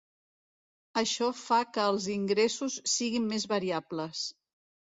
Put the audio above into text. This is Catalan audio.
Això fa que els ingressos siguin més variables.